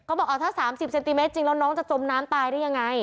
ก็บอกถ้า๓๐เซนติเมตรจริงแล้วน้องจะจมน้ำตายได้ยังไง